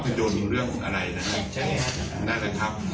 ภาพยนตร์เรื่องอะไรนั่นแหละครับ